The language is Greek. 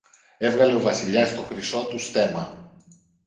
Έβγαλε ο Βασιλιάς το χρυσό του στέμμα